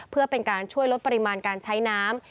เพื่อเป็นการช่วยลดปริมาณการใช้น้ำ